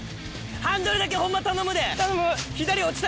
ハンドルだけホンマ頼むで！